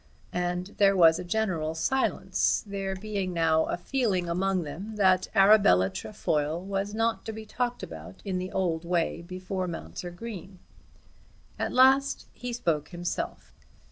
And there was a general silence, there being now a feeling among them that Arabella Trefoil was not to be talked about in the old way before Mounser Green. At last he spoke himself.